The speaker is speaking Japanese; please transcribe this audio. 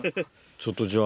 ちょっとじゃあ。